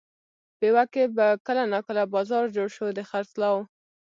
پېوه کې به کله ناکله بازار جوړ شو د خرڅلاو.